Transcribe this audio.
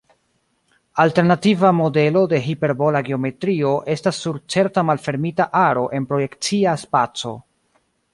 Alternativa modelo de hiperbola geometrio estas sur certa malfermita aro en projekcia spaco.